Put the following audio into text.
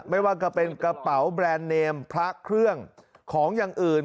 ไม่ว่าจะเป็นกระเป๋าแบรนด์เนมพระเครื่องของอย่างอื่น